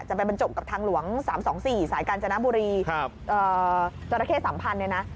จะเป็นบรรจบกับทางหลวงสามสองสี่สายกาญจนบุรีครับเอ่อจรเคสัมพันธ์เนี่ยนะ